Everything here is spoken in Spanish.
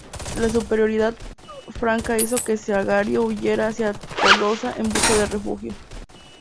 La superioridad franca hizo que Siagrio huyera hacia Tolosa en busca de refugio.